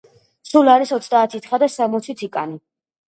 სულ არის ოცდაათი თხა და სამოცი თიკანი.